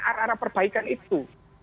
arah arah perbaikan itu